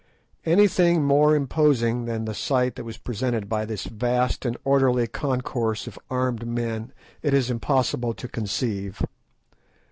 Anything more imposing than the sight that was presented by this vast and orderly concourse of armed men it is impossible to conceive.